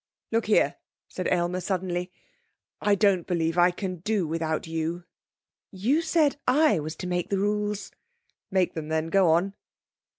'Look here,' said Aylmer suddenly. 'I don't believe I can do without you.' 'You said I was to make the rules.' 'Make them then; go on.'